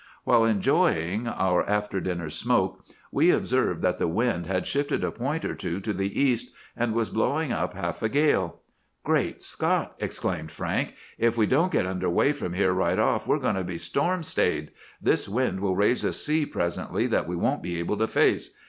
"While enjoying our after dinner smoke we observed that the wind had shifted a point or two to the east, and was blowing up half a gale. "'Great Scott!' exclaimed Frank. 'If we don't get away from here right off, we're going to be storm stayed! This wind will raise a sea presently that we won't be able to face.